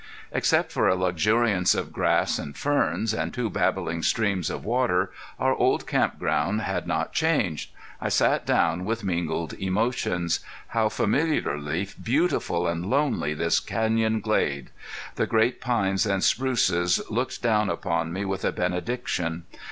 Except for a luxuriance of grass and ferns, and two babbling streams of water, our old camp ground had not changed. I sat down with mingled emotions. How familiarly beautiful and lonely this canyon glade! The great pines and spruces looked down upon me with a benediction.